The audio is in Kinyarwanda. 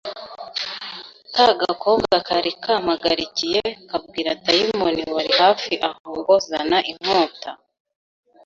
ka gakobwa kari kampagarikiye kabwira dayimoni wari hafi aho ngo zana inkota